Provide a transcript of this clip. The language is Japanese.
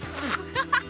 ハハハハ！